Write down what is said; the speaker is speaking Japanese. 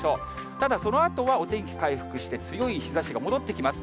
ただ、そのあとはお天気回復して、強い日ざしが戻ってきます。